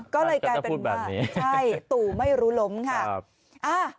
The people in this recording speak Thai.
ก็เลยกลายเป็นว่าใช่ตู่ไม่รู้ล้มค่ะ